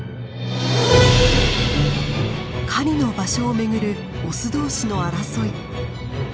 狩りの場所をめぐるオス同士の争い。